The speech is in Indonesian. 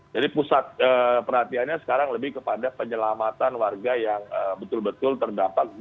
jadi pusat perhatiannya sekarang lebih kepada penyelamatan warga yang betul betul terdampak